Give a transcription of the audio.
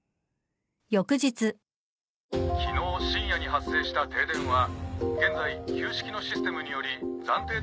昨日深夜に発生した停電は現在旧式のシステムにより暫定的に復旧したとのことです。